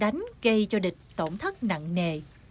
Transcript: trận đánh gây cho địch tổn thất nặng nề